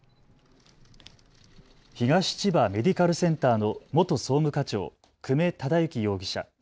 東千葉メディカルセンターの元総務課長、久米忠之容疑者。